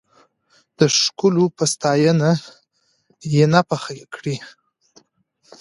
د ښکلو په ستاينه، ينه پخه کړې